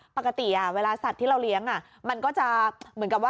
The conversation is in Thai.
ปกติเวลาสัตว์ที่เราเลี้ยง